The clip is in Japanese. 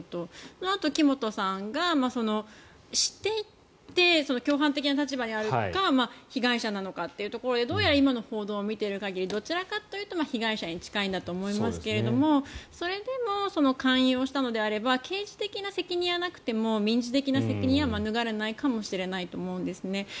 そのあと木本さんが知っていて共犯的な立場にあるか被害者なのかというところでどうやら今の報道を見ている限りではどちらかというと被害者に近いんだと思いますがそれでも勧誘をしたのであれば刑事的な責任はなくても民事的な責任は免れないかもしれないと思うんですね。